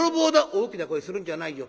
「大きな声するんじゃないよ。